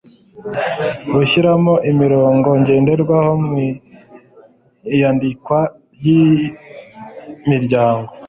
gushyiraho imirongo ngenderwaho mu iyandikwa ry'imiryango